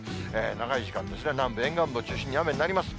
長い時間ですね、南部、沿岸部を中心に雨になります。